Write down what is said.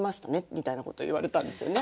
みたいなことを言われたんですよね。